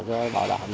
cho bảo đảm